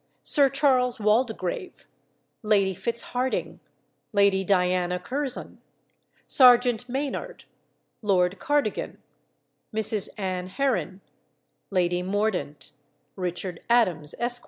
Sir Charles Waldegrave, Lady Fitzharding, Lady Diana Curzon, Serjeant Maynard, Lord Cardigan, Mrs. Anne Heron, Lady Mordant, Richard Adams, Esq.